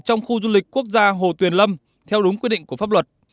trong khu du lịch quốc gia hồ tuyền lâm theo đúng quy định của pháp luật